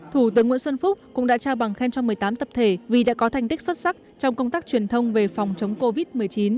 thủ tướng nguyễn xuân phúc cũng đã trao bằng khen cho một mươi tám tập thể vì đã có thành tích xuất sắc trong công tác truyền thông về phòng chống covid một mươi chín